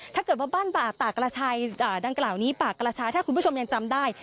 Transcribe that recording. ถ้าเกิดว่าบ้านป่ากระชายดังกล่าวนี้ป่ากระชายถ้าคุณผู้ชมยังจำได้